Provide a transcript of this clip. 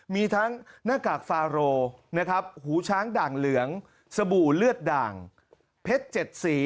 มีทั้งหน้ากากฟาโรนะครับหูช้างด่างเหลืองสบู่เลือดด่างเพชร๗สี